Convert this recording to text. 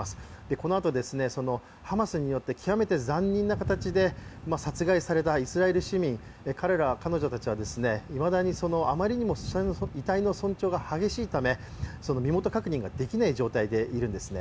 このあと、ハマスによって極めて残忍な形で殺害されたイスラエル市民、彼ら、彼女たちはいまだにあまりに遺体の損傷が激しいため身元の確認ができない状態でいるんですよね。